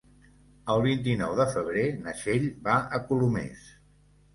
El vint-i-nou de febrer na Txell va a Colomers.